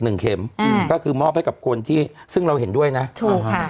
หนึ่งเข็มอืมก็คือมอบให้กับคนที่ซึ่งเราเห็นด้วยนะถูกค่ะ